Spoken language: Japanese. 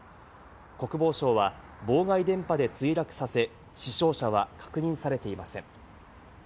国防省は妨害電波で墜落させ、死傷者は確認されていません。